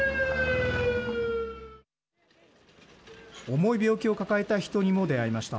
重い病気を抱えた人にも出会いました。